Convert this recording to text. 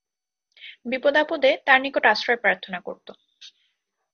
বিপদাপদে তার নিকট আশ্রয় প্রার্থনা করত।